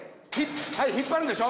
はい引っ張るんでしょ？